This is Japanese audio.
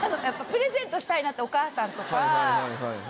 やっぱりプレゼントしたいなってお母さんとか。